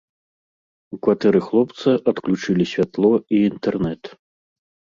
У кватэры хлопца адключылі святло і інтэрнэт.